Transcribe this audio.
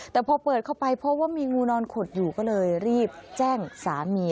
แต่พอเปิดเข้าไปเพราะว่ามีงูนอนขดอยู่ก็เลยรีบแจ้งสามี